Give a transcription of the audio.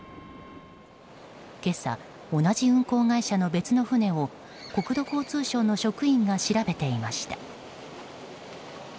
今朝、同じ運航会社の別の船を国土交通省の職員が調べていました。